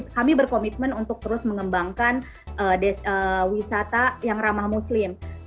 kami berkomitmen untuk terus mengembangkan wisata yang ramah muslim